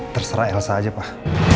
terserah elsa aja pak